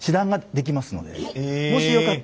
もしよかったら。